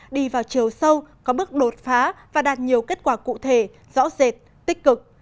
đi vào chiều sâu có bước đột phá và đạt nhiều kết quả cụ thể rõ rệt tích cực